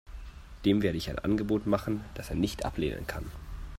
Dem werde ich ein Angebot machen, das er nicht ablehnen kann.